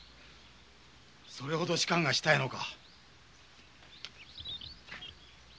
それほど仕官がしたいのか？